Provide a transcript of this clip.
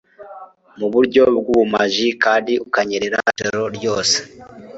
mu buryo bw'ubumaji kandi ukanyerera ijoro ryose